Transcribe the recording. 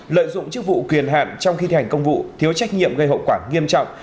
lợi dụng chức vụ quyền hạn trong khi thành công vụ thiếu trách nhiệm gây hậu quả nghiêm trọng